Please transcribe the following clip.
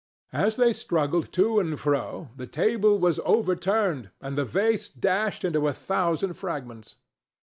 As they struggled to and fro the table was overturned and the vase dashed into a thousand fragments.